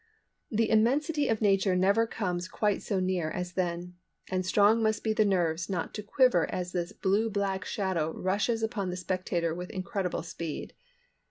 The immensity of nature never comes quite so near as then, and strong must be the nerves not to quiver as this blue black shadow rushes upon the spectator with incredible speed.